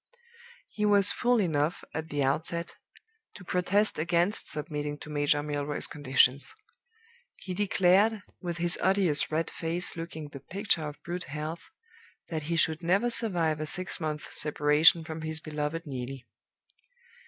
"He was fool enough, at the outset, to protest against submitting to Major Milroy's conditions. He declared, with his odious red face looking the picture of brute health, that he should never survive a six months' separation from his beloved Neelie.